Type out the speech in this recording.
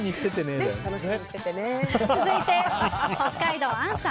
続いて、北海道の方。